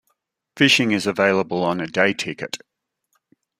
Fishing is available on a day ticket.